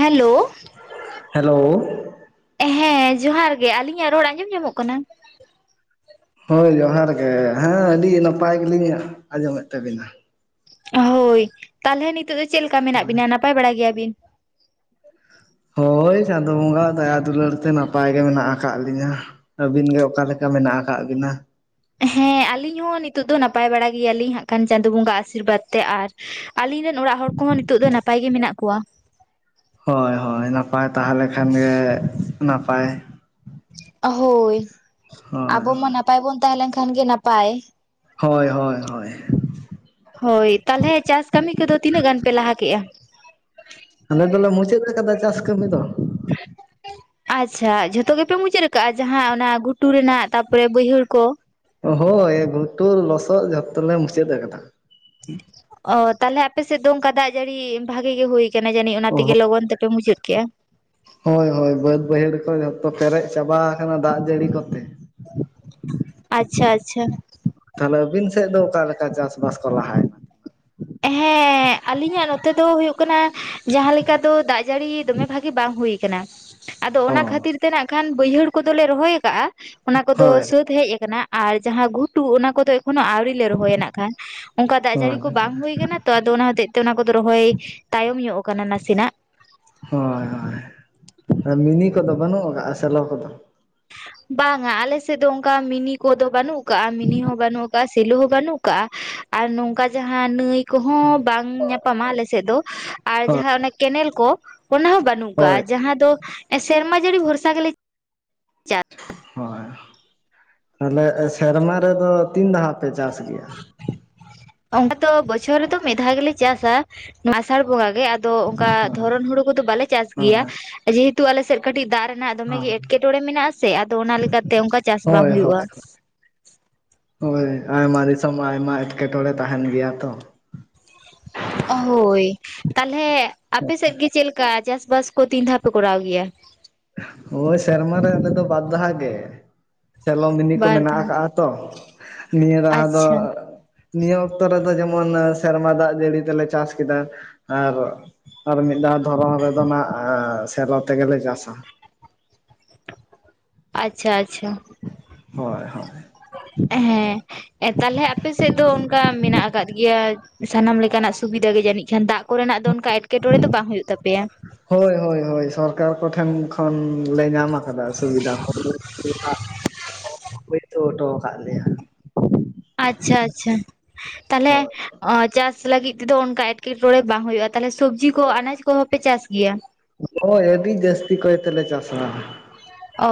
Hello. Hello. ᱦᱮᱸ ᱡᱚᱦᱟᱨ ᱜᱮ ᱟᱹᱞᱤᱧᱟᱜ ᱨᱚᱲ ᱟᱸᱡᱚᱢ ᱧᱟᱢᱚᱜ ᱠᱟᱱᱟ? ᱦᱳᱭ ᱡᱚᱦᱟᱨ ᱜᱮ ᱦᱮᱸ ᱟᱹᱰᱤ ᱱᱟᱯᱟᱭ ᱜᱮᱞᱤᱧ ᱟᱸᱡᱚᱢᱮᱫ ᱛᱟᱹᱵᱤᱱᱟ᱾ ᱦᱳᱭ ᱛᱟᱦᱚᱞᱮ ᱱᱤᱛᱚᱜ ᱫᱚ ᱪᱮᱫ ᱞᱮᱠᱟ ᱢᱮᱱᱟᱜ ᱵᱤᱱᱟ ᱱᱟᱯᱟᱭ ᱵᱟᱲᱟ ᱜᱮᱭᱟᱵᱤᱱ? ᱦᱳᱭ ᱪᱟᱸᱫᱳ ᱵᱚᱸᱜᱟ ᱫᱟᱭᱟ ᱫᱩᱞᱟᱹᱲ ᱛᱮ ᱱᱟᱯᱟᱭ ᱜᱮ ᱢᱮᱱᱟᱜ ᱟᱠᱟᱫ ᱞᱤᱧᱟᱹ᱾ ᱟᱹᱵᱤᱱ ᱜᱮ ᱚᱠᱟ ᱞᱮᱠᱟ ᱢᱮᱱᱟᱜ ᱟᱠᱟᱫ ᱵᱤᱱᱟ? ᱦᱮᱸ ᱟᱞᱤᱧ ᱦᱚᱸ ᱱᱤᱛᱚᱜ ᱫᱚ ᱱᱟᱯᱟᱭ ᱵᱟᱲᱟ ᱜᱮᱭᱟᱞᱤᱧ ᱦᱟᱸᱜ ᱠᱷᱟᱱ ᱪᱟᱸᱫᱳ ᱵᱚᱸᱜᱟ ᱟᱥᱤᱨᱵᱟᱫᱽ ᱛᱮ ᱟᱨ ᱟᱞᱤᱧ ᱨᱮᱱ ᱚᱲᱟᱜ ᱦᱚᱲ ᱠᱚᱦᱚᱸ ᱱᱤᱛᱳᱜ ᱫᱚ ᱱᱟᱯᱟᱭ ᱜᱮ ᱢᱮᱱᱟᱜ ᱠᱚᱣᱟ᱾ ᱦᱳᱭ ᱦᱳᱭ ᱱᱟᱯᱟᱭ ᱛᱟᱦᱚᱞᱮ ᱠᱷᱟᱱ ᱜᱮ ᱱᱟᱯᱟᱭ᱾ ᱦᱳᱭ ᱦᱳᱭ ᱟᱵᱚ ᱢᱟ ᱦᱳᱭ ᱱᱟᱯᱟᱭ ᱵᱚᱱ ᱛᱟᱦᱮᱸ ᱞᱮᱱᱠᱷᱟᱱ ᱜᱮ ᱱᱟᱯᱟᱭ᱾ ᱦᱳᱭ ᱦᱳᱭ ᱦᱳᱭ ᱦᱳᱭ᱾ ᱦᱳᱭ ᱛᱟᱦᱚᱞᱮ ᱪᱟᱥ ᱠᱟᱹᱢᱤ ᱠᱚᱫᱚ ᱛᱤᱱᱟᱹᱜ ᱜᱟᱱ ᱯᱮ ᱞᱟᱦᱟ ᱠᱮᱫᱼᱟ? ᱟᱞᱮ ᱫᱚᱞᱮ ᱢᱩᱪᱟᱹᱫ ᱟᱠᱟᱫᱟ ᱪᱟᱥ ᱠᱟᱹᱢᱤ ᱫᱚ᱾ [inaudible] ᱟᱪᱪᱷᱟ ᱡᱷᱚᱛᱚ ᱜᱮᱯᱮ ᱢᱩᱪᱟᱹᱫ ᱟᱠᱟᱜᱼᱟ ᱡᱟᱦᱟᱸ ᱚᱱᱟ ᱜᱷᱩᱴᱩ ᱨᱮᱱᱟᱜ ᱛᱟᱯᱚᱨᱮ ᱵᱟᱹᱭᱦᱟᱹᱲ ᱠᱚ ᱦᱳᱭ ᱜᱷᱩᱴᱩ ᱞᱚᱥᱚᱫ ᱡᱷᱚᱛᱚ ᱞᱮ ᱢᱩᱪᱟᱹᱫ ᱟᱠᱟᱫᱟ᱾ ᱚ ᱛᱟᱦᱚᱞᱮ ᱟᱯᱮ ᱥᱮᱫ ᱫᱚ ᱚᱱᱠᱟ ᱫᱟᱜ ᱡᱟᱹᱲᱤ ᱵᱷᱟᱜᱤ ᱜᱮ ᱦᱩᱭ ᱠᱟᱱᱟ ᱡᱟᱹᱱᱤᱡ ᱚᱱᱟ ᱛᱮᱜᱮ ᱞᱚᱜᱚᱱ ᱛᱮᱯᱮ ᱢᱩᱪᱟᱹᱫ ᱠᱮᱜᱼᱟ᱾ ᱦᱳᱭ ᱦᱳᱭ ᱵᱟᱹᱫᱽ ᱵᱟᱹᱭᱦᱟᱹᱲ ᱠᱚ ᱡᱚᱛᱚ ᱯᱮᱨᱮᱡ ᱪᱟᱵᱟ ᱟᱠᱟᱱᱟ ᱫᱟᱜ ᱡᱟᱹᱲᱤ ᱠᱚᱛᱮ᱾ ᱟᱪᱪᱷᱟ ᱟᱪᱪᱷᱟ᱾ ᱛᱟᱦᱞᱮ ᱟᱹᱵᱤᱱ ᱥᱮᱫ ᱫᱚ ᱚᱠᱟᱞᱮᱠᱟ ᱪᱟᱥᱵᱟᱥ ᱠᱚ ᱞᱟᱦᱟᱭᱱᱟ? ᱦᱮᱸ ᱟᱞᱤᱧᱟᱜ ᱱᱚᱛᱮ ᱫᱚ ᱦᱩᱭᱩᱜ ᱠᱟᱱᱟ ᱡᱟᱦᱟᱸ ᱞᱮᱠᱟ ᱫᱚ ᱫᱟᱜ ᱡᱟᱹᱲᱤ ᱫᱚᱢᱮ ᱵᱷᱟᱜᱤ ᱵᱟᱝ ᱦᱩᱭ ᱠᱟᱱᱟ᱾ ᱟᱫᱚ ᱚᱱᱟ ᱠᱷᱟᱹᱛᱤᱨ ᱦᱚᱸ ᱛᱮ ᱱᱟᱜ ᱠᱷᱟᱱ ᱵᱟᱹᱭᱦᱟᱹᱲ ᱠᱚᱫᱚᱞᱮ ᱨᱚᱦᱚᱭ ᱟᱠᱟᱜᱼᱟ ᱚᱱᱟ ᱠᱚᱫᱚ ᱦᱳᱭ ᱥᱟᱹᱛ ᱦᱮᱡ ᱟᱠᱟᱱᱟ᱾ ᱟᱨ ᱡᱟᱦᱟᱸ ᱜᱷᱩᱴᱩ ᱚᱱᱟ ᱠᱚᱫᱚ ᱮᱠᱷᱚᱱᱳ ᱟᱣᱲ ᱞᱮ ᱨᱚᱦᱚᱭᱟ ᱱᱟᱜ ᱠᱷᱟᱱ ᱚᱱᱠᱟ ᱫᱟᱜ ᱡᱟᱹᱲᱤ ᱦᱳᱭ ᱠᱚ ᱵᱟᱝ ᱦᱩᱭ ᱟᱠᱟᱱᱟ ᱛᱚ ᱟᱫᱚ ᱚᱱᱟ ᱦᱚᱛᱮᱡ ᱛᱮ ᱚᱱᱟ ᱠᱚᱫᱚ ᱨᱚᱦᱚᱭ ᱛᱟᱭᱚᱢ ᱧᱚᱜ ᱟᱠᱟᱱᱟ ᱱᱟᱥᱮᱱᱟᱜ᱾ ᱦᱳᱭ ᱦᱳᱭ ᱢᱤᱱᱤ ᱠᱚᱫᱚ ᱵᱟᱹᱱᱩᱜ ᱟᱠᱟᱟᱜᱼᱟ ᱥᱮᱞᱚ ᱠᱚᱫᱚ᱾ ᱵᱟᱝᱟ ᱟᱞᱮ ᱥᱮᱫ ᱫᱚ ᱚᱱᱠᱟ ᱢᱤᱱᱤ ᱠᱚᱫᱚ ᱵᱟᱹᱱᱩᱜ ᱟᱠᱟᱜᱼᱟ ᱢᱤᱱᱤ ᱦᱚᱸ ᱵᱟᱹᱱᱩᱜ ᱟᱠᱟᱜ -ᱟ ᱾ ᱥᱮᱞᱩ ᱦᱚᱸ ᱵᱟᱹᱱᱩᱜ ᱟᱠᱟᱜ-ᱟ ᱟᱨ ᱱᱚᱝᱠᱟ ᱡᱟᱦᱟᱸ ᱱᱟᱹᱭ ᱠᱚᱦᱚᱸ ᱵᱟᱝ ᱧᱟᱯᱟᱢᱟ ᱟᱞᱮ ᱥᱮᱫ ᱫᱚ ᱟᱨ ᱦᱳᱭ ᱡᱟᱦᱟᱸ ᱚᱱᱮ ᱠᱮᱱᱮᱞ ᱠᱚ ᱚᱱᱟ ᱦᱚᱸ ᱵᱟ ᱵᱟᱹᱱᱩᱜ ᱦᱳᱭ ᱠᱟᱜᱼᱟ ᱡᱟᱦᱟᱸ ᱫᱚ ᱥᱮᱨᱢᱟ ᱡᱟᱹᱲᱤ ᱵᱷᱚᱨᱥᱟ ᱜᱮᱞᱮ ᱪᱟ ᱦᱳᱭ ᱛᱟᱦᱞᱮ ᱥᱮᱨᱢᱟ ᱨᱮᱫᱚ ᱛᱤᱱ ᱫᱷᱟᱣ ᱯᱮ ᱪᱟᱥ ᱜᱮᱭᱟ? ᱚᱱᱟᱠᱟ ᱫᱚ ᱵᱚᱪᱷᱚᱨ ᱨᱮᱫᱚ ᱢᱤᱫ ᱫᱷᱟᱣ ᱜᱮᱞᱮ ᱪᱟᱥᱟ ᱟᱥᱟᱲ ᱵᱚᱸᱜᱟ ᱜᱮ ᱟᱫᱚ ᱛᱚ ᱚᱱᱠᱟ ᱫᱷᱚᱨᱚᱱ ᱦᱩᱲᱩ ᱠᱚᱫᱚ ᱵᱟᱞᱮ ᱪᱟᱥ ᱜᱮᱭᱟ ᱦᱳᱭ ᱡᱮᱦᱮᱛᱩ ᱛᱩ ᱟᱞᱮ ᱥᱮᱫ ᱠᱟᱹᱴᱤᱡ ᱫᱟᱜ ᱨᱮᱱᱟᱜ ᱫᱚᱢᱮᱜ ᱜᱮ ᱮᱴᱠᱮ-ᱴᱚᱬᱮ ᱢᱮᱱᱟᱜ ᱟ ᱥᱮ ᱟᱫᱚ ᱚᱱᱟ ᱞᱮᱠᱟᱛᱮ ᱚᱱᱠᱟ ᱪᱟᱥ ᱵᱟᱝ ᱦᱳᱭ ᱦᱳᱭ ᱦᱩᱭᱩᱜᱼᱟ᱾ ᱦᱳᱭ ᱦᱳᱭ ᱟᱭᱢᱟ ᱫᱤᱥᱚᱢ ᱟᱭᱢᱟ ᱮᱴᱠᱮᱴᱚᱬᱮ ᱛᱟᱦᱮᱱ ᱜᱮᱭᱟ ᱛᱚ᱾ ᱦᱳᱭ ᱛᱟᱦᱚᱞᱮ ᱟᱯᱮ ᱥᱮᱫ ᱜᱮ ᱪᱮᱫ ᱠᱟ ᱪᱟᱥ ᱵᱟᱥ ᱠᱚ ᱛᱤᱱ ᱫᱷᱟᱣ ᱯᱮ ᱠᱚᱨᱟᱣ ᱜᱮᱭᱟ? ᱦᱳᱭ ᱥᱮᱟᱨᱢᱟ ᱨᱮ ᱟᱞᱮ ᱫᱚ ᱵᱟᱨᱫᱷᱟᱣ ᱜᱮ᱾ ᱥᱮᱞᱚ ᱢᱤᱱᱤ ᱠᱚ ᱵᱟᱨ ᱢᱮᱱᱟᱜ ᱫᱷᱟᱣ ᱟᱠᱟᱜ-ᱟ ᱛᱚ ᱱᱤᱭᱟᱹ ᱫᱷᱟᱣ ᱫᱚ ᱟᱪᱪᱷᱟ ᱱᱤᱭᱟᱹ ᱚᱠᱛᱚ ᱨᱮᱫᱚ ᱡᱮᱢᱚᱱ ᱥᱮᱨᱢᱟ ᱫᱟᱜ ᱡᱟᱹᱲᱤ ᱛᱮᱞᱮ ᱪᱟᱥ ᱠᱮᱫᱟ ᱟᱨ ᱟᱨ ᱢᱤᱫ ᱫᱷᱟᱣ ᱫᱷᱚᱨᱚᱱ ᱨᱮᱫᱚ ᱱᱟᱜ ᱥᱮᱞᱚ ᱛᱮᱜᱮᱞᱮ ᱪᱟᱥᱟ᱾ ᱟᱪᱪᱷᱟ ᱟᱪᱪᱷᱟ ᱦᱚᱭ ᱦᱚᱭ ᱦᱮᱸ ᱛᱟᱦᱞᱮ ᱟᱯᱮ ᱥᱮᱫ ᱫᱚ ᱚᱱᱠᱟ ᱢᱮᱱᱟᱜ ᱟᱠᱟᱫ ᱜᱮᱭᱟ ᱥᱟᱱᱟᱢ ᱞᱮᱠᱟᱱᱟᱜ ᱥᱩᱵᱤᱫᱟ ᱜᱮ ᱡᱟᱹᱱᱤᱡ ᱠᱷᱟᱱ ᱫᱟᱜ ᱠᱚᱨᱮᱱᱟᱜ ᱫᱚ ᱚᱱᱠᱟ ᱮᱴᱠᱮᱴᱬᱮ ᱫᱚ ᱵᱟᱝ ᱦᱩᱭᱩᱜ ᱛᱟᱯᱮᱭᱟ? ᱦᱳᱭ ᱦᱳᱭ ᱦᱳᱭ ᱥᱚᱨᱠᱟᱨ ᱠᱚᱴᱷᱮᱱ ᱠᱷᱚᱱᱞᱮ ᱧᱟᱢ ᱟᱠᱟᱫᱟ ᱥᱩᱵᱤᱫᱟ ᱠᱚ᱾ ᱵᱤᱨᱵᱟᱦᱟ ᱦᱚᱴᱚ ᱟᱠᱟᱫ ᱞᱮᱭᱟ᱾ ᱟᱪᱪᱷᱟ ᱟᱪᱪᱷᱟ ᱛᱟᱞᱦᱮ ᱦᱳᱭ ᱪᱟᱥ ᱞᱟᱹᱜᱤᱫ ᱛᱮᱫᱚ ᱚᱱᱠᱟ ᱮᱴᱠᱮᱴᱚᱬᱮ ᱵᱟᱝ ᱦᱩᱭᱩᱜ-ᱟ ᱛᱟᱞᱦᱮ ᱥᱚᱵᱡᱤ ᱠᱚ ᱟᱱᱟᱡ ᱠᱚᱦᱚᱸ ᱯᱮ ᱪᱟᱥ ᱜᱮᱭᱟ ᱦᱳᱭ ᱟᱵᱤ ᱡᱟᱹᱥᱛᱤᱠᱟᱭ ᱛᱮ ᱞᱮ ᱪᱟᱥᱟ᱾ ᱚ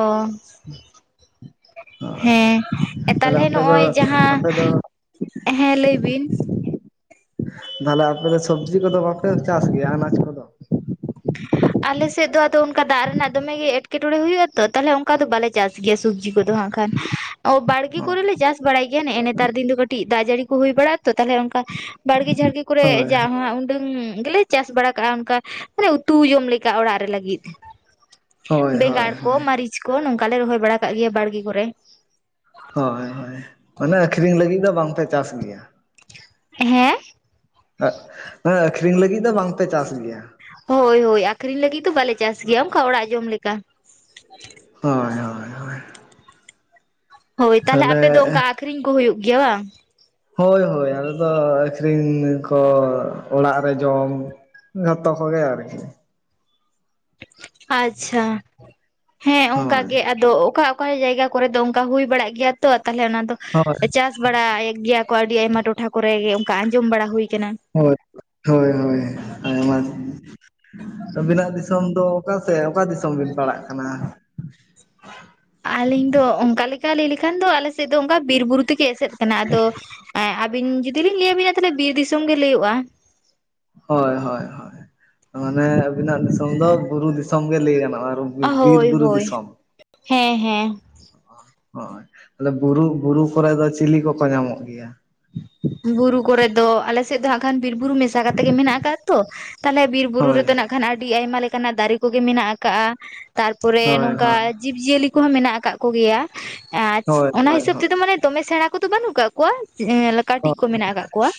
ᱦᱮᱸ ᱛᱟᱦᱞᱮ ᱟᱯᱮ ᱫᱚ ᱱᱚᱜ-ᱚᱭ ᱡᱟᱦᱟᱸ, ᱟᱯᱮ ᱫᱚ ᱦᱮᱸ ᱞᱟᱹᱭ ᱵᱤᱱ? ᱛᱟᱦᱞᱮ ᱟᱯᱮ ᱫᱚ ᱥᱚᱵᱽᱡᱤ ᱠᱚᱫᱚ ᱵᱟᱯᱮ ᱪᱟᱥ ᱜᱮᱭᱟ ᱟᱱᱟᱪ ᱠᱚᱫᱚ? ᱟᱞᱮ ᱥᱮᱫ ᱫᱚ ᱟᱫᱚ ᱚᱱᱠᱟ ᱫᱟᱜ ᱨᱮᱱᱟᱜ ᱫᱚᱢᱮ ᱜᱮ ᱮᱴᱠᱮᱴᱚᱬᱮ ᱦᱩᱭᱩᱜ-ᱟ ᱛᱚ ᱛᱟᱦᱞᱮ ᱚᱱᱠᱟ ᱫᱚ ᱵᱟᱞᱮ ᱪᱟᱥ ᱜᱮᱭᱟ ᱥᱚᱵᱽᱡᱤ ᱠᱚᱫᱚ ᱦᱟᱸᱜ ᱠᱷᱟᱱ ᱵᱟᱲᱜᱮ ᱠᱚᱨᱮᱞᱮ ᱪᱟᱥ ᱵᱟᱲᱟᱭ ᱜᱮᱭᱟ ᱱᱮᱜ ᱮ ᱱᱮᱛ ᱛᱟᱨ ᱫᱤᱱ ᱫᱚ ᱠᱟᱹᱴᱤᱜ ᱫᱟᱜ ᱡᱟᱹᱲᱤ ᱠᱚ ᱦᱩᱭ ᱵᱟᱟᱲ ᱟ ᱛᱚ ᱛᱟᱦᱚᱞᱮ ᱚᱱ ᱵᱟᱲᱜᱮ ᱡᱷᱟᱲᱜᱮ ᱠᱚᱨᱮ ᱦᱳᱭ ᱡᱟᱦᱟ ᱩᱰᱟᱹᱝ ᱜᱮᱞᱮ ᱪᱟᱥ ᱵᱟᱲᱟ ᱠᱟᱜ-ᱟ ᱚᱱᱠᱟ ᱢᱟᱱᱮ ᱩᱛᱩ ᱡᱚᱢ ᱞᱮᱠᱟ ᱚᱲᱟᱜ ᱨᱮ ᱞᱟᱹᱜᱤᱫ ᱦᱳᱭ ᱦᱳᱭ ᱵᱮᱸᱜᱟᱲ ᱠᱚ ᱦᱳᱭ ᱢᱟᱹᱨᱤᱪ ᱠᱚ ᱱᱚᱝᱠᱟ ᱞᱮ ᱨᱚᱦᱚᱭ ᱵᱟᱲᱟ ᱠᱟᱜ ᱜᱮᱭᱟ ᱵᱟᱲᱜᱤ ᱠᱚᱨᱮ᱾ ᱦᱚᱸᱭ ᱦᱚᱸᱭ ᱢᱟᱱᱮ ᱟᱠᱷᱨᱤᱧ ᱞᱟᱹᱜᱤᱫ ᱫᱚ ᱵᱟᱝᱯᱮ ᱪᱟᱥ ᱜᱮᱭᱟ᱾ ᱦᱮᱸ ᱦᱮᱸ ᱟᱹᱠᱷᱨᱤᱧ ᱞᱟᱹᱜᱤᱫ ᱫᱚ ᱵᱟᱝᱯᱮ ᱪᱟᱥ ᱜᱮᱭᱟ, ᱦᱳᱭ ᱦᱳᱭ ᱟᱠᱷᱨᱤᱧ ᱞᱟᱹᱜᱤᱫ ᱫᱚ ᱵᱟᱞᱮ ᱪᱟᱥ ᱜᱮᱭᱟ ᱚᱝᱠᱟ ᱚᱲᱟᱜ ᱡᱚᱢ ᱞᱮᱠᱟ᱾ ᱦᱚᱸᱭ ᱦᱚᱸᱭ᱾ ᱦᱳᱭ ᱛᱟᱦᱞᱮ ᱟᱯᱮ ᱫᱚ ᱛᱟᱦᱚᱞᱮ ᱚᱝᱠᱟ ᱟᱠᱷᱨᱤᱧ ᱠᱚ ᱦᱩᱭᱩᱜ ᱜᱮᱭᱟ ᱵᱟᱝ ᱦᱳᱭ ᱦᱳᱭ ᱟᱞᱮ ᱫᱚ ᱟᱠᱷᱨᱤᱧ ᱠᱚ ᱚᱲᱟᱜ ᱨᱮ ᱡᱚᱢ ᱡᱚᱛᱚ ᱠᱚ ᱜᱮ ᱟᱨᱠᱤ ᱟᱪᱪᱷᱟ ᱦᱮᱸ ᱚᱝᱠᱟ ᱦᱳᱭ ᱜᱮ ᱟᱫᱚ ᱚᱠᱟ ᱚᱠᱟ ᱡᱟᱭᱜᱟ ᱠᱚᱨᱮ ᱫᱚ ᱚᱝᱠᱟ ᱦᱩᱭ ᱵᱟᱲᱟᱜ ᱜᱮᱭᱟ ᱛᱚ ᱛᱟᱦᱞᱮ ᱚᱱᱟ ᱫᱚ ᱦᱳᱭ ᱪᱟᱥ ᱵᱟᱲᱟᱭᱮᱫ ᱜᱮᱭᱟ ᱠᱚ ᱟᱹᱰᱤ ᱟᱭᱢᱟ ᱴᱚᱴᱷᱟ ᱠᱚᱨᱮ ᱚᱱᱠᱟ ᱟᱸᱡᱚᱢ ᱵᱟᱲᱟ ᱦᱩᱭᱩ ᱠᱟᱱᱟ ᱦᱳᱭ ᱦᱳᱭ ᱦᱳᱭ ᱦᱮᱸ ᱢᱟ ᱟᱹᱵᱤᱱᱟᱜ ᱫᱤᱥᱚᱢ ᱫᱚ ᱚᱠᱟ ᱥᱮᱫ ᱚᱠᱟ ᱫᱤᱥᱚᱢ ᱵᱤᱱ ᱯᱟᱲᱟᱜ ᱠᱟᱱᱟ? ᱟᱞᱤᱧ ᱫᱚ ᱚᱝᱠᱟ ᱞᱮᱠᱟ ᱞᱟᱹᱭ ᱞᱮᱠᱷᱟᱱ ᱫᱚ ᱟᱞᱮᱥᱮᱫ ᱫᱚ ᱚᱱᱠᱟ ᱵᱤᱨ ᱵᱩᱨᱩ ᱛᱮᱜᱮ ᱮᱥᱮᱫ ᱠᱟᱱᱟ ᱟᱫᱚ ᱟᱹᱵᱤᱱ ᱡᱩᱫᱤ ᱞᱤᱧ ᱞᱟᱹᱭᱟᱵᱤᱱᱟ ᱛᱟᱦᱚᱞᱮ ᱵᱤᱨ ᱫᱤᱥᱚᱢ ᱜᱮ ᱞᱟᱹᱭᱚᱜ-ᱟ᱾ ᱦᱚᱭ ᱦᱚᱭ ᱦᱚᱭ ᱢᱟᱱᱮ ᱟᱵᱤᱱᱟᱜ ᱫᱤᱥᱚᱢ ᱫᱚ ᱵᱩᱨᱩ ᱫᱤᱥᱚᱢ ᱜᱮ ᱞᱟᱹᱭ ᱜᱟᱱᱚᱜ-ᱟ᱾ ᱵᱤᱨ ᱦᱳᱭ ᱵᱩᱨᱩ ᱦᱳᱭ ᱫᱤᱥᱚᱢ ᱦᱮᱸ ᱦᱮᱸ ᱦᱚᱸᱭ ᱵᱩᱨᱩ ᱵᱩᱨᱩ ᱠᱚᱨᱮ ᱫᱚ ᱪᱤᱞᱤ ᱠᱚᱠᱚ ᱧᱟᱢᱚᱜ ᱜᱮᱭᱟ? ᱵᱩᱨᱩ ᱠᱚᱨᱮᱜ ᱫᱚ ᱟᱞᱮᱥᱮᱫ ᱫᱚ ᱦᱟᱜ ᱠᱷᱟᱱ ᱵᱤᱨ ᱵᱩᱨᱩ ᱢᱮᱥᱟ ᱠᱟᱛᱮᱜ ᱜᱮ ᱢᱮᱱᱟᱜ ᱟᱠᱟᱫ-ᱟ ᱛᱚ ᱛᱟᱦᱞᱮ ᱵᱤᱨ ᱵᱩᱨᱩ ᱦᱳᱭ ᱨᱮᱫᱚ ᱱᱟᱜ ᱠᱷᱟᱱ ᱟᱹᱰᱤ ᱟᱭᱢᱟ ᱞᱮᱠᱟᱱᱟᱜ ᱫᱟᱨᱮ ᱠᱚᱜᱮ ᱢᱮᱱᱟᱜ ᱟᱠᱟᱜ-ᱟ, ᱛᱟᱨᱯᱚᱨᱮ ᱦᱳᱭ ᱱᱚᱝᱠᱟ ᱦᱳᱭ ᱡᱤᱵ ᱡᱤᱭᱟᱹᱞᱤ ᱠᱚᱦᱚᱸ ᱢᱮᱱᱟᱜ ᱟᱠᱟᱫ ᱠᱚᱜᱮᱭᱟ ᱟᱨ ᱦᱳᱭ ᱚᱱᱟ ᱦᱳᱭ ᱦᱤᱥᱟᱹᱵ ᱛᱮᱫᱚ ᱢᱟᱱᱮ ᱫᱚᱢᱮ ᱥᱮᱬᱟ ᱠᱚᱫᱚ ᱵᱟᱹᱱᱩᱜ ᱟᱠᱟᱫ ᱠᱚᱣᱟ ᱠᱚᱣᱟ ᱠᱟᱹᱴᱤᱡ ᱦᱳᱭ ᱠᱚ ᱢᱮᱱᱟᱜ ᱠᱟᱫ ᱠᱚᱣᱟ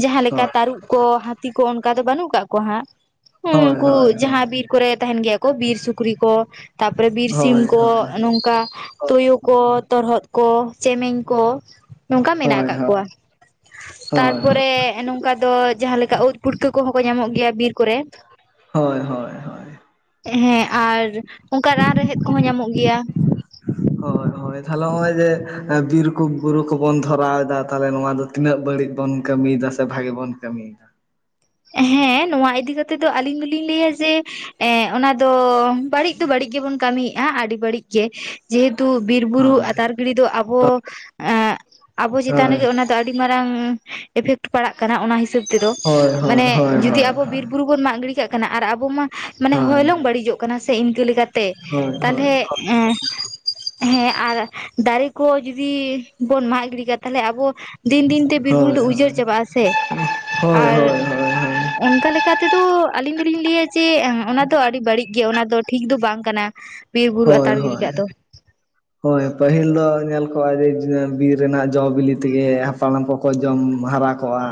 ᱡᱟᱸᱦᱟᱸ ᱞᱮᱠᱟ ᱛᱟᱹᱨᱩᱵ ᱠᱚ ᱦᱟᱹᱛᱤ ᱠᱚ ᱚᱱᱠᱟ ᱫᱚ ᱵᱟᱹᱱᱩᱜ ᱠᱟᱜ ᱠᱚᱣᱟ ᱦᱟᱸᱜ ᱦᱮᱸ ᱦᱳᱭ ᱩᱱᱠᱩ ᱦᱳᱭ ᱡᱟᱦᱟ ᱵᱤᱨ ᱠᱚᱨᱮ ᱛᱟᱦᱮᱱ ᱜᱮᱭᱟ ᱠᱚ ᱵᱤᱨ ᱥᱩᱠᱨᱤ ᱠᱚ ᱛᱟᱯᱚᱨᱮ ᱵᱤᱨ ᱥᱤᱢ ᱦᱳᱭ ᱦᱳᱭ ᱦᱳᱭ ᱠᱚ ᱱᱚᱝᱠᱟ ᱛᱩᱭᱩ ᱠᱚ ᱛᱚᱨᱦᱚᱫ ᱠᱚ ᱪᱮᱢᱮᱧ ᱠᱚ ᱱᱚᱝᱠᱟ ᱢᱮᱱᱟᱜ ᱦᱳᱭ ᱦᱳᱭ ᱟᱠᱟᱫ ᱠᱚᱣᱟ᱾ ᱦᱳᱭ ᱛᱟᱨᱯᱚᱨᱮ ᱱᱚᱝᱠᱟ ᱫᱚ ᱡᱟᱦᱟ ᱞᱮᱠᱟ ᱩᱫ ᱯᱷᱩᱴᱠᱟᱹ ᱠᱚᱦᱚᱸ ᱠᱚ ᱧᱟᱢᱚᱜ ᱵᱤᱨ ᱠᱚᱨᱮ ᱦᱳᱭ ᱦᱳᱭ ᱦᱮᱸ ᱟᱨ ᱚᱱᱠᱟ ᱨᱟᱱ ᱨᱮᱦᱮᱫ ᱠᱚᱦᱚᱸ ᱧᱟᱢᱚᱜ ᱜᱮᱭᱟ᱾ ᱦᱳᱭ ᱦᱳᱭ ᱛᱟᱦᱚᱞᱮ ᱱᱚᱜᱼᱚᱭ ᱡᱮ ᱵᱤᱨ ᱠᱚ ᱵᱩᱨᱩ ᱠᱚᱵᱚᱱ ᱫᱷᱚᱨᱟᱣᱮᱫᱟ ᱛᱟᱦᱚᱞᱮ ᱱᱚᱣᱟ ᱫᱚ ᱛᱤᱱᱟᱹᱜ ᱵᱟᱹᱲᱤᱡ ᱵᱚᱱ ᱠᱟᱹᱢᱤᱭᱮᱫᱟ ᱥᱮ ᱵᱷᱟᱜᱤ ᱵᱚᱱ ᱠᱟᱹᱢᱤᱭᱮᱫᱟ ᱦᱮᱸ ᱱᱚᱣᱟ ᱤᱫᱤ ᱠᱟᱛᱮᱜ ᱫᱚ ᱟᱞᱤᱧ ᱫᱚᱞᱤᱧ ᱞᱟᱹᱭᱟ ᱡᱮ ᱮᱸᱜ ᱚᱱᱟ ᱫᱚ ᱵᱟᱹᱲᱤᱡ ᱫᱚ ᱵᱟᱹᱲᱤᱡ ᱜᱮᱵᱚᱱ ᱠᱟᱹᱢᱤᱭᱮᱫ-ᱟ᱾ ᱟᱹᱰᱤ ᱵᱟᱹᱲᱤᱡ ᱜᱮ ᱡᱮᱦᱮᱛᱩ ᱵᱤᱨ ᱵᱩᱨᱩ ᱦᱳᱭ ᱟᱛᱟᱨ ᱜᱤᱲᱤ ᱫᱚ ᱟᱵᱚ ᱮᱜ ᱟᱵᱚ ᱪᱮᱛᱟᱱ ᱨᱮᱜᱮ ᱚᱱᱟ ᱛᱚ ᱟᱹᱰᱤ ᱢᱟᱨᱟᱝ ᱮᱯᱷᱮᱠᱴ ᱯᱟᱲᱟᱜ ᱠᱟᱱᱟ ᱚᱱᱟ ᱦᱤᱥᱟᱹᱵ ᱛᱮ ᱫᱚ ᱦᱳᱭ ᱦᱳᱭ ᱢᱟᱱᱮ ᱦᱳᱭ ᱡᱩᱫᱤ ᱦᱳᱭ ᱟᱵᱚ ᱵᱤᱨ ᱦᱳᱭ ᱵᱩᱨᱩ ᱵᱚᱱ ᱢᱟᱜ ᱜᱤᱰᱤ ᱠᱟᱜ ᱠᱟᱱᱟ ᱟᱨ ᱟᱵᱚ ᱢᱟ ᱢᱟᱱᱮ ᱦᱳᱭ ᱦᱚᱭᱞᱚᱝ ᱵᱟᱹᱲᱤᱡᱚᱜ ᱠᱟᱱᱟ ᱥᱮ ᱤᱱᱠᱟᱹ ᱞᱮᱠᱟᱛᱮ ᱛᱮ ᱦᱳᱭ ᱦᱳᱭ ᱛᱟᱦᱚᱞᱮ ᱮᱸ ᱦᱮᱸ ᱟᱨ ᱫᱟᱨᱮ ᱠᱚ ᱡᱩᱫᱤ ᱵᱚᱱ ᱢᱟᱜ ᱜᱤᱰᱤ ᱠᱟ ᱛᱟᱦᱚᱞᱮ ᱟᱵᱚ ᱫᱤᱱ ᱫᱤᱱ ᱛᱮ ᱵᱤᱨ ᱵᱩᱨᱩ ᱦᱳᱭ ᱦᱳᱭ ᱦᱳᱭ ᱫᱚ ᱩᱡᱟᱹᱲ ᱪᱟᱵᱟᱜ-ᱟ ᱥᱮ ᱦᱳᱭ ᱟᱨ ᱦᱳᱭ ᱦᱳᱭ ᱚᱱᱠᱟ ᱞᱮᱠᱟ ᱛᱮᱫᱚ ᱟᱹᱞᱤᱧ ᱫᱚᱞᱤᱧ ᱞᱟᱹᱭᱟ ᱡᱮ ᱚᱱᱟ ᱫᱚ ᱟᱹᱰᱤ ᱵᱟᱹᱲᱤᱡ ᱜᱮᱭᱟ ᱚᱱᱟ ᱫᱚ ᱴᱷᱤᱠ ᱫᱚ ᱵᱟᱝ ᱠᱟᱱᱟ᱾ ᱵᱤᱨ ᱵᱩᱨᱩ ᱦᱳᱭ ᱟᱛᱟᱨ ᱜᱤᱰᱤ ᱦᱳᱭ [inaudible] ᱦᱳᱭ ᱯᱟᱹᱦᱤᱞ ᱫᱚ ᱧᱮᱞ ᱠᱚᱜ-ᱟ ᱡᱮ ᱵᱤᱨ ᱨᱮᱱᱟᱜ ᱡᱚ ᱵᱤᱞᱤ ᱛᱮᱜᱮ ᱦᱟᱯᱲᱟᱢ ᱠᱚ ᱠᱚ ᱡᱚᱢ ᱦᱟᱨᱟ ᱠᱚᱜ-ᱟ᱾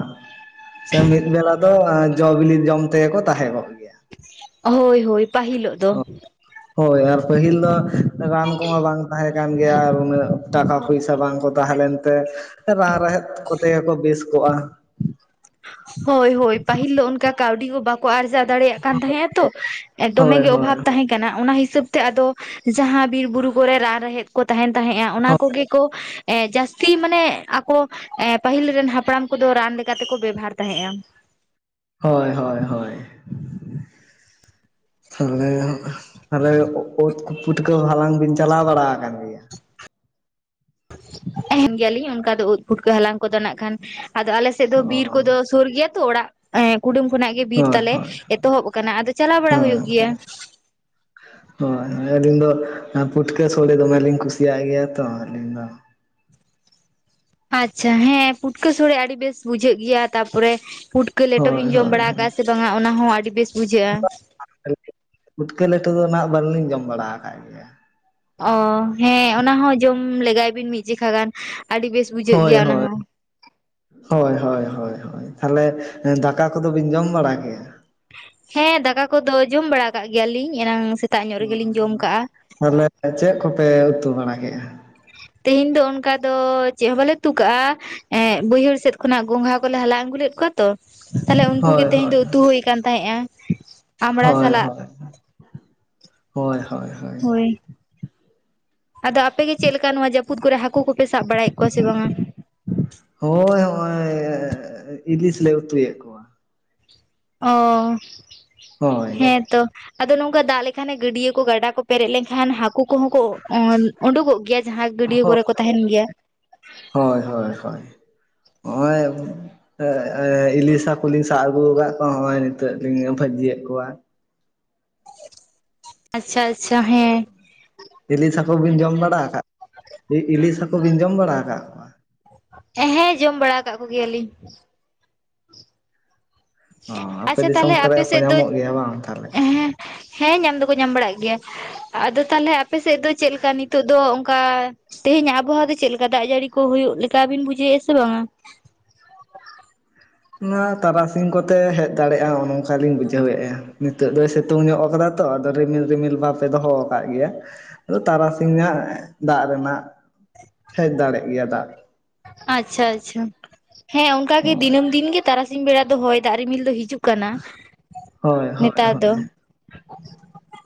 ᱥᱮ ᱢᱤᱫ ᱵᱮᱞᱟ ᱫᱚ ᱡᱚ ᱵᱤᱞᱤ ᱡᱚᱢ ᱛᱮᱜᱮ ᱠᱚ ᱛᱟᱦᱮᱸ ᱠᱚᱜ ᱜᱮᱭᱟ ᱦᱳᱭ ᱦᱳᱭ ᱯᱟᱹᱦᱤᱞᱚᱜ ᱫᱚ ᱦᱳᱭ ᱟᱨ ᱯᱟᱹᱦᱤᱞ ᱫᱚ ᱨᱟᱱ ᱠᱚᱢᱟ ᱵᱟᱝ ᱛᱟᱦᱮᱸ ᱠᱟᱱ ᱜᱮᱭᱟ ᱟᱨ ᱩᱹᱱᱟᱜ ᱴᱟᱠᱟ ᱯᱚᱭᱥᱟ ᱵᱟᱝ ᱠᱚ ᱛᱟᱦᱮᱸ ᱞᱮᱱᱛᱮ ᱨᱟᱱ ᱨᱮᱦᱮᱫ ᱠᱚᱛᱮ ᱜᱮᱠᱚ ᱵᱮᱥ ᱠᱚᱜ-ᱟ᱾ ᱦᱳᱭ ᱦᱳᱭ ᱯᱟᱹᱦᱤᱞ ᱫᱚ ᱚᱱᱠᱟ ᱠᱟᱹᱣᱰᱤ ᱠᱚ ᱵᱟᱠᱚ ᱫᱟᱲᱮᱭᱟᱜ ᱠᱟᱱ ᱛᱟᱦᱮᱸᱜ-ᱟ᱾ ᱛᱚ ᱫᱚᱢᱮ ᱦᱳᱭ ᱜᱮ ᱦᱳᱭ ᱚᱵᱷᱟᱵ ᱛᱟᱦᱮᱸ ᱠᱟᱱᱟ, ᱚᱱᱟ ᱦᱤᱥᱟᱹᱵ ᱛᱮ ᱟᱫᱚ ᱡᱟᱦᱟᱸ ᱵᱤᱨ ᱵᱩᱨᱩ ᱠᱚᱨᱮ ᱨᱟᱱ ᱨᱮᱦᱮᱫ ᱠᱚ ᱛᱟᱦᱮᱱ ᱛᱟᱦᱮᱸᱫ-ᱟ ᱚᱱᱟ ᱠᱚᱜᱮ ᱠᱚ ᱮᱸ ᱡᱟᱹᱥᱛᱤ ᱢᱟᱱᱮ, ᱟᱠᱚ ᱮ ᱯᱟᱹᱦᱤᱞ ᱨᱮᱱ ᱦᱟᱯᱲᱟᱢ ᱠᱚᱫᱚ ᱨᱟᱱ ᱞᱮᱠᱟᱛᱮᱠᱚ ᱵᱮᱵᱦᱟᱨ ᱛᱟᱦᱮᱸᱜᱼᱟ᱾ ᱦᱳᱭ ᱦᱳᱭ ᱦᱳᱭ, ᱛᱟᱦᱚᱞᱮ ᱛᱟᱦᱚᱞᱮ ᱳᱛ ᱯᱩᱴᱠᱟᱹ ᱦᱟᱞᱟᱝ ᱵᱤᱱ ᱪᱟᱞᱟᱣ ᱵᱟᱲᱟ ᱟᱠᱟᱱᱟ? [unintelligible] ᱛᱟᱦᱮᱱ ᱜᱮᱭᱟᱞᱤᱧ ᱚᱱᱠᱟ ᱫᱚ ᱳᱫ ᱯᱷᱩᱴᱠᱟᱹ ᱦᱟᱞᱟᱝ ᱠᱚᱫᱚ ᱱᱟᱜ ᱠᱷᱟᱱ, ᱟᱫᱚ ᱟᱞᱮᱥᱮᱫ ᱫᱚ ᱚ ᱵᱤᱨ ᱠᱚᱫᱚ ᱥᱳᱨ ᱜᱮᱭᱟ ᱛᱚ ᱚᱲᱟᱜ ᱠᱩᱰᱩᱢ ᱠᱷᱚᱱᱟᱜ ᱜᱮ ᱵᱤᱨ ᱦᱳᱭ ᱛᱟᱞᱮ ᱦᱳᱭ ᱮᱛᱚᱦᱚᱵ ᱟᱠᱟᱱᱟ, ᱟᱫᱚ ᱪᱟᱞᱟᱣ ᱵᱟᱲᱟ ᱦᱳᱭᱳᱜ ᱦᱳᱭ ᱜᱮᱭᱟ᱾ ᱦᱳᱭ, ᱟᱹᱞᱤᱧ ᱫᱚ ᱯᱩᱴᱠᱟᱹ ᱥᱳᱞᱮ ᱫᱚᱢᱮᱞᱤᱧ ᱠᱩᱥᱤᱭᱟᱜ ᱜᱮᱭᱟ ᱛᱚ, ᱟᱹᱞᱤᱧ ᱫᱚ᱾ ᱟᱪᱪᱷᱟ, ᱦᱮᱸ ᱯᱩᱴᱠᱟᱹ ᱥᱳᱲᱮ ᱟᱹᱰᱤ ᱵᱮᱥ ᱵᱩᱡᱷᱟᱹᱜ ᱜᱮᱭᱟ ᱛᱟᱯᱚᱨᱮ ᱯᱩᱴ ᱯᱩᱴᱠᱟᱹ ᱞᱮᱴᱚ ᱦᱳᱭ ᱵᱤᱱ ᱡᱚᱢ ᱦᱳᱭ ᱵᱟᱲᱟ ᱦᱳᱭ ᱟᱠᱟᱫᱼᱟ ᱥᱮ ᱵᱟᱝᱟ, ᱚᱱᱟ ᱦᱚᱸ ᱟᱹᱰᱤ ᱵᱮᱥ ᱵᱩᱡᱷᱟᱹᱜᱼᱟ᱾ [unintelligible] ᱯᱩᱴᱠᱟᱹ ᱞᱮᱴᱚ ᱫᱚ ᱦᱟᱜ ᱵᱟᱞᱤᱧ ᱡᱚᱢ ᱵᱟᱲᱟ ᱟᱠᱟᱫ ᱜᱮ᱾ ᱚ ᱦᱮᱸ ᱚᱱᱟ ᱦᱚᱸ ᱡᱚᱢ ᱞᱮᱜᱟᱭ ᱵᱤᱱ ᱢᱤᱫ ᱪᱤᱠᱷᱟ ᱜᱟᱱ, ᱟᱹᱰᱤ ᱵᱮᱥ ᱵᱩᱡᱷᱟᱹᱜ ᱦᱳᱭ ᱜᱮᱭᱟ ᱚᱱᱟ ᱦᱳᱭ ᱦᱚᱸ ᱦᱳᱭ ᱦᱳᱭ ᱦᱳᱭ ᱦᱳᱭ, ᱛᱟᱦᱚᱞᱮ ᱫᱟᱠᱟ ᱠᱚᱫᱚ ᱵᱤᱱ ᱡᱚᱢ ᱵᱟᱲᱟ ᱠᱮᱜᱼᱟ? ᱦᱮᱸ ᱫᱟᱠᱟ ᱠᱚᱫᱚ ᱡᱚᱢ ᱵᱟᱲᱟ ᱠᱟᱜ ᱜᱮᱭᱟᱞᱤᱧ, ᱮᱱᱟᱝ ᱥᱮᱛᱟᱜ ᱧᱚᱜ ᱨᱮᱜᱮᱞᱤᱧ ᱦᱳᱭ ᱡᱚᱢ ᱠᱟᱜᱼᱟ᱾ ᱛᱟᱦᱚᱞᱮ ᱪᱮᱫ ᱠᱚᱯᱮ ᱩᱛᱩ ᱵᱟᱲᱟ ᱠᱮᱜ-ᱟ? ᱛᱮᱦᱮᱧ ᱫᱚ ᱚᱱᱠᱟ ᱫᱚᱻ ᱪᱮᱫ ᱦᱚᱸ ᱵᱟᱞᱮ ᱩᱛᱩ ᱠᱟᱜᱼᱟ᱾ ᱮᱸ ᱵᱟᱹᱭᱦᱟᱹᱲ ᱥᱮᱫ ᱠᱷᱚᱱᱟᱜ ᱜᱚᱝᱜᱷᱟ ᱠᱚᱞᱮ ᱦᱟᱞᱟᱝ ᱟᱹᱜᱩ ᱞᱮᱫ ᱠᱚᱣᱟ ᱛᱚ, ᱛᱟᱦᱞᱮ ᱩᱱᱠᱩ ᱜᱮ ᱦᱳᱭ ᱛᱮᱦᱤᱧ ᱦᱳᱭ ᱫᱚ ᱩᱛᱩ ᱦᱩᱭ ᱠᱟᱱ ᱛᱟᱦᱮᱸᱜᱼᱟ᱾ ᱟᱢᱲᱟ ᱥᱟᱞᱟᱜ ᱦᱳᱭ-ᱦᱳᱭ-ᱦᱳᱭ, ᱦᱳᱭ-ᱦᱳᱭ-ᱦᱚᱭ᱾ ᱦᱳᱭ ᱟᱫᱚ ᱟᱯᱮ ᱜᱮ ᱪᱮᱫ ᱞᱮᱠᱟ ᱱᱚᱣᱟ ᱡᱟᱹᱯᱩᱫ ᱠᱚᱨᱮ ᱦᱟᱹᱠᱩ ᱠᱚᱯᱮ ᱥᱟᱵᱽ ᱵᱟᱲᱟᱭᱮᱫᱽ ᱠᱚᱣᱟ ᱥᱮ ᱵᱟᱝᱟ? ᱦᱳᱭ-ᱦᱚᱭᱻ ᱤᱫᱤᱥ ᱞᱮ ᱩᱛᱩᱭᱮᱫᱽ ᱠᱚ᱾ ᱚᱻ ᱦᱳᱭ ᱦᱮᱸ ᱛᱚ᱾ ᱟᱫᱚ ᱱᱚᱝᱠᱟ ᱫᱟᱜ ᱞᱮᱠᱷᱟᱱᱮ ᱜᱟᱹᱰᱭᱟᱹ ᱠᱚ ᱜᱟᱰᱟ ᱠᱚ ᱯᱮᱨᱮᱡ ᱞᱮᱱᱠᱷᱟᱱ ᱦᱟ ᱠᱩ ᱠᱚᱦᱚᱸ ᱠᱚ ᱳᱰᱳᱠᱚᱜ ᱜᱮᱭᱟ ᱡᱟᱦᱟᱸ ᱜᱟᱹᱰᱭᱟᱹ ᱠᱚᱨᱮ ᱠᱚ ᱛᱟᱦᱮᱱ ᱜᱮᱭᱟ᱾ ᱦᱳᱭ-ᱦᱳᱭ-ᱦᱳᱭ, ᱱᱚᱜᱼᱚᱭ ᱤᱞᱤᱥᱟ ᱠᱩᱞᱤᱧ ᱥᱟᱜ ᱟᱹᱜᱩᱣᱟᱠᱟᱫ ᱠᱚᱣᱟ, ᱦᱚᱸᱜ-ᱚᱭ ᱱᱤᱛᱚᱜ ᱞᱤᱧ ᱵᱷᱟᱹᱡᱤᱭᱮᱜ ᱠᱚᱣᱟ᱾ ᱟᱪᱪᱷᱟ-ᱟᱪᱪᱷᱟ ᱦᱮᱸ᱾ ᱤᱞᱤᱥᱟ ᱠᱩᱵᱤᱱ ᱡᱚᱢ ᱵᱟᱲᱟ ᱟᱠᱟᱫ, ᱤᱞᱤᱥᱟ ᱠᱩᱵᱤᱱ ᱡᱚᱢ ᱵᱟᱲᱟ ᱟᱠᱟᱫ ᱮ ᱦᱮᱸ ᱡᱚᱢ ᱵᱟᱲᱟ ᱟᱠᱟᱜ ᱠᱚᱜᱮᱭᱟᱞᱤᱧ᱾ ᱚ ᱟᱯᱮ ᱟᱪᱪᱷᱟ ᱫᱤᱥᱚᱢ ᱛᱟᱦᱚᱞᱮ ᱠᱚᱨᱮ ᱟᱯᱮ ᱠᱚ ᱥᱮᱫ ᱫᱚ, ᱧᱟᱢᱚᱜ ᱜᱮᱭᱟ ᱵᱟᱝ ᱛᱟᱦᱚᱞᱮ ᱦᱮᱸ ᱦᱮᱸ ᱧᱟᱢ ᱫᱚᱠᱚ ᱧᱟᱢ ᱵᱟᱲᱟᱜ ᱜᱮᱭᱟ ᱟᱫᱚ ᱛᱟᱦᱞᱮ ᱟᱯᱮ ᱥᱮᱫᱽ ᱫᱚ ᱪᱮᱫ ᱞᱮᱠᱟ ᱱᱤᱛᱚᱜ ᱫᱚ ᱚᱱᱠᱟ ᱛᱮᱦᱮᱧ ᱟᱵᱚᱦᱟ ᱫᱚ ᱪᱮᱫ ᱞᱮᱠᱟ, ᱫᱟᱜ ᱡᱟᱹᱲᱤ ᱠᱚ ᱦᱩᱭᱩᱜ ᱞᱮᱠᱟ ᱵᱤᱱ ᱵᱩᱡᱷᱟᱹᱣᱮᱜ-ᱟ ᱥᱮ ᱵᱟᱝᱟ᱾ ᱚᱱᱟ ᱛᱟᱨᱟᱥᱤᱧ ᱠᱚᱛᱮ ᱦᱮᱡᱽ ᱫᱟᱲᱮᱭᱟᱜᱼᱟ, ᱚᱱᱮ ᱚᱝᱠᱟᱞᱤᱧ ᱵᱩᱡᱷᱟᱹᱣᱮᱫᱼᱟ, ᱱᱤᱛᱚᱜ ᱫᱚᱭ ᱥᱤ ᱛᱩᱝ ᱧᱚᱜ ᱠᱟᱫᱟ ᱛᱚ ᱟᱫᱚ ᱨᱤᱢᱤᱞ-ᱨᱤᱢᱤᱞ ᱵᱟᱯᱮ ᱫᱚᱦᱚ ᱟᱠᱟᱫ ᱜᱮᱭᱟ᱾ ᱟᱫᱚ ᱛᱟᱨᱟᱥᱤᱧ ᱦᱟᱸᱜ ᱫᱟᱜ ᱨᱮᱱᱟᱜ ᱦᱮᱡᱽ ᱫᱟᱲᱮᱜ ᱜᱮᱭᱟ ᱫᱟᱜ᱾ ᱟᱪᱪᱷᱟ-ᱟᱪᱪᱷᱟ, ᱦᱮᱸ ᱚᱱᱠᱟᱜᱤ ᱦᱳᱭ ᱫᱤᱱᱟᱹᱢ ᱫᱤᱱᱜᱮ ᱛᱟᱨᱟᱥᱤᱧ ᱵᱮᱲᱟ ᱫᱚ ᱦᱚᱭ ᱫᱟᱜ ᱨᱤᱢᱤᱞ ᱫᱚ ᱦᱤᱡᱩᱜ ᱠᱟᱱᱟ ᱦᱳᱭ ᱦᱳᱭ ᱱᱮᱛᱟᱨ ᱫᱚ᱾ ᱦᱳᱭ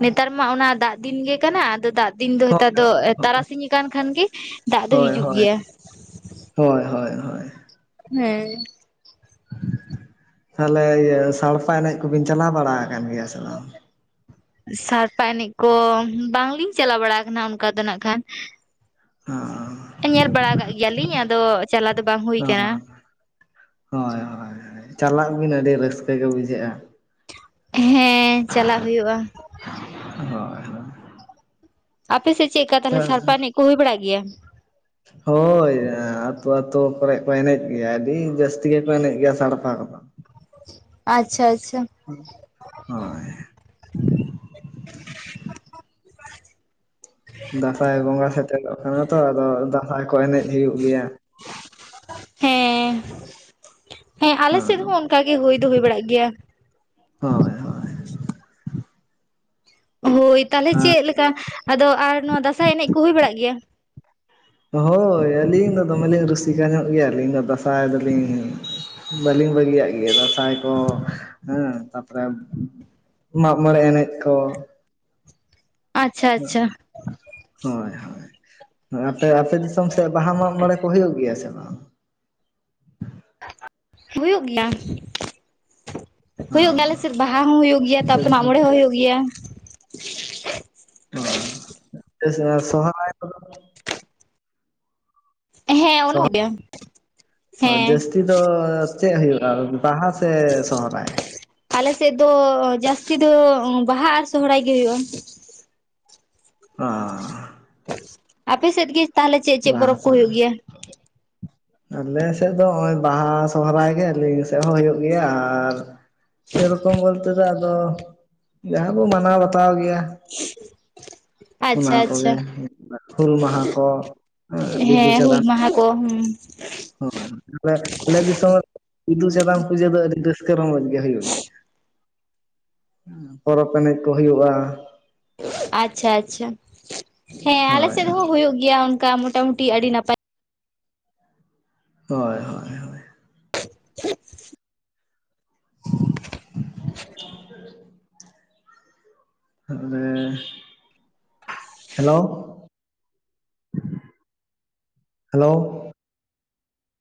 ᱱᱮᱛᱟᱨ ᱢᱟ ᱚᱱᱟ ᱫᱟᱜ ᱫᱤᱱ ᱜᱮ ᱠᱟᱱᱟ ᱟᱫᱚ ᱫᱟᱜ ᱫᱤᱱ ᱫᱚ ᱦᱳᱭ ᱦᱮᱛᱟᱨ ᱫᱚ ᱛᱟᱨᱟᱥᱤᱧ ᱟᱠᱟᱱ ᱠᱷᱟᱱ ᱜᱮ, ᱫᱟᱜ ᱫᱚ ᱦᱤᱡᱩᱜ ᱜᱮᱭᱟ᱾ ᱦᱳᱭ-ᱦᱳᱭ-ᱦᱳᱭ᱾ ᱦᱮᱸ᱾ ᱛᱟᱦᱚᱞᱮ ᱤᱭᱟᱹ ᱥᱟᱲᱯᱦᱟ ᱮᱱᱮᱡᱽ ᱠᱚᱵᱤᱱ ᱪᱟᱞᱟᱣ ᱵᱟᱲᱟ ᱟᱠᱟᱱ ᱜᱮᱭᱟ ᱥᱮ ᱵᱟᱝ? ᱥᱟᱲᱯᱟ ᱮᱱᱮᱡᱽ ᱠᱚ, ᱵᱟᱝᱞᱤᱧ ᱪᱟᱞᱟᱣ ᱵᱟᱲᱟ ᱠᱟᱱᱟ ᱚᱱᱠᱟ ᱫᱚ ᱱᱟᱜ ᱠᱷᱟᱱ᱾ ᱦᱮᱸ ᱧᱮᱞ ᱵᱟᱲᱟ ᱟᱠᱟᱜ ᱜᱮᱭᱟᱞᱤᱧ ᱟᱫᱚ ᱪᱟᱞᱟᱣ ᱫᱚ ᱵᱟᱝ ᱦᱩ ᱚᱻ ᱦᱳᱭ-ᱦᱳᱭ ᱪᱟᱞᱟᱜ ᱵᱤᱱ ᱟᱹᱰᱤ ᱨᱟᱹᱥᱠᱟᱹ ᱜᱮ ᱵᱩᱡᱷᱟᱹᱜᱼᱟ᱾ ᱦᱮᱸ ᱪᱟᱞᱟᱜ ᱦᱩᱭᱩᱜᱼᱟ᱾ ᱦᱳᱭ-ᱦᱳᱭ᱾ ᱟᱯᱮᱥᱮᱫ ᱪᱮᱫᱽᱞᱮᱠᱟ ᱛᱟᱦᱚᱞᱮ ᱥᱟᱲᱯᱦᱟ ᱮᱱᱮᱡᱽ ᱠᱚ ᱦᱩᱭ ᱵᱟᱲᱟᱜ ᱜᱮᱭᱟ᱾ ᱦᱳᱭ ᱟᱹᱛᱩ-ᱟᱹᱛᱩ ᱠᱚᱨᱮ ᱠᱚ ᱮᱱᱮᱡᱽ ᱜᱮᱭᱟ ᱟᱹᱰᱤ ᱡᱟᱹᱥᱛᱤ ᱜᱮᱠᱚ ᱮᱱᱮᱡᱽ ᱜᱮᱭᱟ ᱥᱟᱲᱯᱦᱟ ᱠᱚᱫᱚ᱾ ᱟᱪᱪᱷᱟ-ᱟᱪᱪᱷᱟ᱾ ᱦᱳᱭ, [inaudible] ᱫᱟᱸᱥᱟᱸᱭ ᱵᱚᱸᱜᱟ ᱥᱮᱴᱮᱨᱚᱜ ᱠᱟᱱᱟ ᱛᱚ, ᱟᱫᱚ ᱫᱟᱸᱥᱟᱸᱭ ᱠᱚ ᱮᱱᱮᱡᱽ ᱦᱩᱭᱩᱜ ᱜᱮᱭᱟ᱾ ᱦᱮᱸ, ᱦᱮᱸ ᱟᱞᱮ ᱥᱮᱫ ᱦᱳᱭ ᱦᱚᱸ ᱚᱱᱠᱟ ᱜᱮ ᱦᱩᱭ ᱫᱚ ᱦᱩᱭ ᱵᱟᱲᱟᱜ ᱜᱮᱭᱟ᱾ ᱦᱳᱭ-ᱦ ᱦᱳᱭ ᱛᱟᱦᱚᱞᱮ ᱪᱮᱫ ᱞᱮᱠᱟ ᱟᱫᱚ ᱟᱨ ᱱᱚᱣᱟ ᱫᱟᱸᱥᱟᱭ ᱮᱱᱮᱡ ᱠᱚ ᱦᱩᱭ ᱵᱟᱲᱟᱜ ᱜᱮᱭᱟ? ᱦᱳᱭ ᱟᱹᱞᱤᱧ ᱫᱚ ᱫᱚᱢᱮᱞᱤᱧ ᱨᱩᱥᱤᱠᱟ ᱧᱚᱜ ᱜᱮᱭᱟ ᱞᱤᱧ ᱫᱚ ᱫᱟᱸᱥᱟᱭ ᱫᱚᱞᱤᱧ, ᱵᱟᱹᱞᱤᱧ ᱵᱟᱹᱜᱤᱭᱟᱜ ᱜᱮᱭᱟ ᱫᱟᱥᱟᱭ ᱠᱚ ᱦᱮᱸ ᱛᱟᱨᱯᱚᱨᱮ, ᱢᱟᱜᱽ ᱢᱚᱬᱮ ᱮᱱᱮᱡ ᱠᱚ᱾ ᱟᱪᱪᱷᱟ ᱟᱪᱷᱟ, ᱦᱳᱭ ᱦᱳᱭ ᱟᱯᱮ ᱟᱯᱮ ᱫᱤᱥᱚᱢ ᱥᱮᱫ ᱵᱟᱦᱟ ᱢᱟᱜᱽ ᱢᱚᱬᱮ ᱠᱚ ᱦᱩᱭᱩᱜ ᱜᱮᱭᱟ ᱥᱮ ᱵᱟᱝ? ᱦᱩᱭᱩᱜ ᱜᱮᱭᱟ᱾ ᱦᱩᱭᱩᱜ ᱜᱮᱭᱟ ᱟᱞᱮ ᱥᱮᱫ ᱵᱟᱦᱟ ᱦᱚᱸ ᱦᱩᱭᱩᱜ ᱜᱮᱭᱟ ᱛᱟᱨᱯᱚᱨᱮ ᱢᱟᱜᱽ ᱢᱚᱬᱮ ᱦᱚᱸ ᱦᱩᱭᱩᱜ ᱜᱮᱭᱟ᱾ ᱚ [unintelligible] ᱦᱮᱸ ᱥᱚ ᱚᱱᱟ ᱦᱩᱭᱩᱜ ᱜᱮᱭᱟ ᱦᱮᱸ ᱡᱟᱹᱥᱛᱤ ᱫᱚ ᱪᱮᱫ ᱦᱩᱭᱩᱜᱼᱟ? ᱵᱟᱦᱟ ᱥᱮ ᱥᱚᱦᱚᱨᱟᱭ? ᱟᱞᱮᱥᱮᱫ ᱫᱚ ᱡᱟᱹᱥᱛᱤ ᱫᱚ ᱵᱟᱦᱟ ᱟᱨ ᱥᱚᱦᱚᱨᱟᱭ ᱜᱮ ᱦᱩᱭᱩᱜᱼᱟ᱾ ᱟᱸ, ᱟᱯᱮ ᱥᱮᱫ ᱜᱮ ᱛᱟᱦᱚᱞᱮ ᱪᱮᱫ ᱪᱮᱫ ᱵᱟᱦᱟ ᱯᱚᱨᱚᱵᱽ ᱠᱚ ᱦᱩᱭᱩᱜ ᱥᱚᱦᱨᱟᱭ᱾ ᱜᱮᱭᱟ ᱟᱞᱮ ᱥᱮᱫ ᱫᱚ ᱦᱚᱜᱼᱚᱭ ᱵᱟᱦᱟ ᱥᱚᱦᱚᱨᱟᱭ ᱜᱮ ᱟᱹᱞᱤᱧ ᱥᱮᱫ ᱦᱚᱸ ᱦᱩᱭᱩᱜ ᱜᱮᱭᱟ ᱟᱨ, ᱥᱮᱨᱚᱠᱚᱢ ᱵᱚᱞᱛᱮ ᱫᱚ ᱟᱫᱚ, ᱡᱟᱦᱟᱸ ᱵᱚ ᱢᱟᱱᱟᱣ ᱵᱟᱛᱟᱣ ᱜᱮᱭᱟ᱾ ᱚᱱᱟ ᱟᱪᱪᱷᱟ ᱟᱪᱪᱷᱟ ᱠᱚᱜᱮ ᱦᱩᱞ ᱢᱟᱦᱟ ᱠᱚ᱾ ᱵᱤᱫᱩ ᱦᱮᱸ ᱦᱩᱞ ᱪᱟᱸᱫᱟᱱ ᱢᱟᱦᱟ ᱠᱚ ᱦᱩᱸ᱾ ᱦᱳᱭ ᱛᱟᱞᱦᱮ ᱟᱞᱮ ᱫᱤᱥᱚᱢ ᱨᱮ ᱵᱤᱫᱩ ᱪᱟᱸᱫᱟᱱ ᱯᱩᱡᱟᱹ ᱫᱚ ᱟᱹᱰᱤ ᱨᱟᱹᱥᱠᱟᱹ ᱨᱚᱢᱚᱡᱽ ᱜᱮ ᱦᱩᱭᱩᱜ ᱜᱮᱭᱟ᱾ [inaudible] ᱯᱚᱨᱚᱵᱽ ᱮᱱᱮᱡ ᱠᱚ ᱦᱩᱭᱩᱜᱼᱟ᱾ ᱟᱪᱪᱷᱟ ᱟᱪᱪᱷᱟ ᱦᱮᱸ ᱟᱞᱮ ᱦᱳᱭ ᱥᱮᱫ ᱦᱚᱸ ᱦᱳᱭ ᱦᱩᱭᱩᱜ ᱜᱮᱭᱟ ᱚᱱᱠᱟ ᱢᱚᱴᱟ ᱢᱩᱴᱤ ᱟᱹᱰᱤ ᱱᱟᱯᱟᱭ᱾ ᱦᱳᱭ ᱦᱳᱭ ᱦᱳᱭ, [inaudible] [inaudible] ᱛᱟᱦᱟᱞᱮ ᱦᱮᱞᱳ᱾ ᱦᱮᱞᱳ᱾